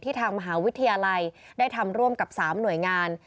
ทางมหาวิทยาลัยได้ทำร่วมกับ๓หน่วยงาน